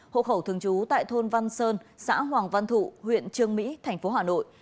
hộ khẩu thường trú tại thôn văn sơn xã hoàng văn thụ huyện trương mỹ thành phố hà nội